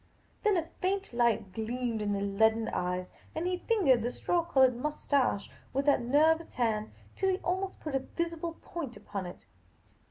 Then a faint light gleamed in the leaden eyes, and he fingered the straw coloured moustache with that nervous hand till he almost put a visible point upon it.